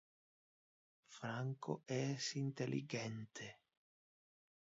Franco es intelligente.